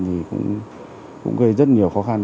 thì cũng gây rất nhiều khó khăn